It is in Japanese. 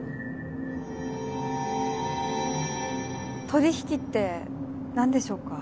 取引ってなんでしょうか？